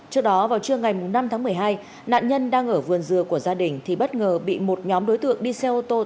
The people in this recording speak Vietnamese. trước đó vào trưa ngày năm tháng một mươi hai nạn nhân đang ở vườn dừa của gia đình thì bất ngờ bị một nhóm đối tượng đi xe ô tô